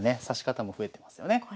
指し方も増えてますよね。